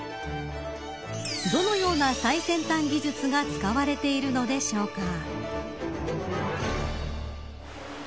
どのような最先端技術が使われているのでしょうか。